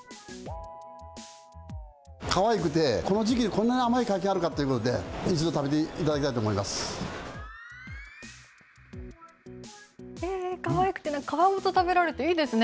かわいくて、この時期にこんなに甘い柿あるかってことで、一度食べていただきかわいくて、皮ごと食べられていいですね。